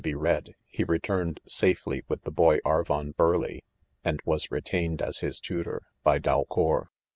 ;be red, he returned safely with the boy Arvom Burleigh, and was retained' as [his tutor,.: by Dalcour.